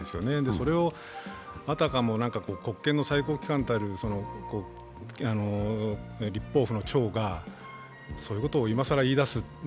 それをあたかも国権の最高機関たる立法府の長がそういうことを今更言い出す。